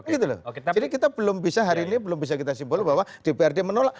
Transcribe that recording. jadi kita belum bisa hari ini belum bisa kita simpul bahwa dprd menolak